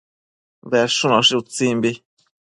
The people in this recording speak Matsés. Bedshunoshi utsimbi